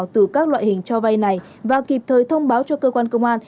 từ các loại hình cho vay này và kịp thời thông báo cho cơ quan công an